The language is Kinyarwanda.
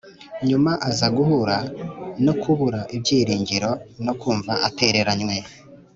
nyuma aza guhura no kubura ibyiringiro no kumva atereranywe